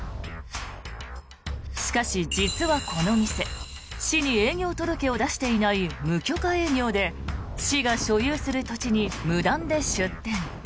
しかし、実はこの店市に営業届を出していない無許可営業で市が所有する土地に無断で出店。